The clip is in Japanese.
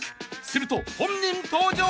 ［すると本人登場！］